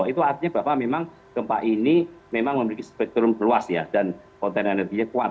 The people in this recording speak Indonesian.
itu artinya bahwa memang gempa ini memang memiliki spektrum luas ya dan konten energinya kuat